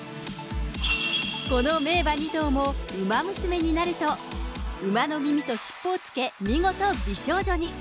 この名馬２頭も、ウマ娘になると、馬の耳と尻尾をつけ、見事美少女に。